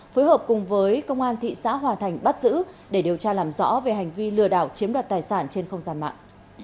phối hợp cùng với công an thị xã hòa thành bắt giữ để điều tra làm rõ về hành vi lừa đảo chiếm đoạt tài sản trên không gian mạng